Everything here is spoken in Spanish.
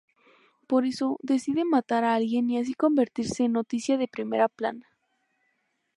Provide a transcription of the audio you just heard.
Por eso, decide matar a alguien y así convertirse en noticia de primera plana.